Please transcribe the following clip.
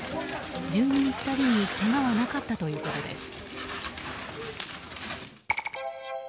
住民２人にけがはなかったということです。